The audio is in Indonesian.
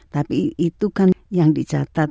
tapi itu kan yang dicatat